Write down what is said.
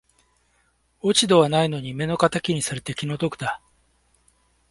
落ち度はないのに目の敵にされて気の毒だ